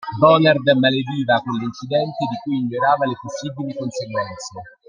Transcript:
Bonard malediva quell'incidente di cui ignorava le possibili conseguenze.